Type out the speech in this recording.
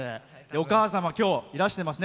お母様、今日いらしてますね。